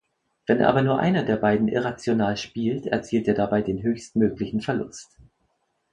Wenn aber nur einer der beiden irrational spielt, erzielt er dabei den höchstmöglichen Verlust.